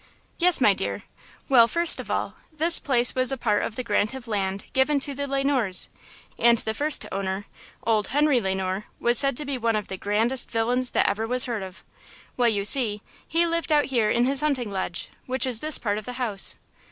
"Yes, my dear. Well, first of all, this place was a part of the grant of land given to the Le Noirs. And the first owner, old Henri Le Noir, was said to be one of the grandest villains that ever was heard of. Well, you see, he lived out here in his hunting lodge, which is this part of the house."